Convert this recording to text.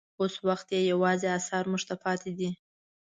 اوس وخت یې یوازې اثار موږ ته پاتې دي.